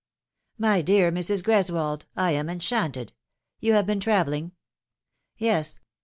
" My dear Mrs. Greswold, I am enchanted. You have been travelling ? Yes.